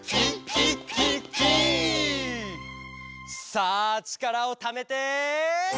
「さあちからをためて！」